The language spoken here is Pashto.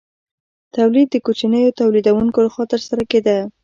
تولید د کوچنیو تولیدونکو لخوا ترسره کیده.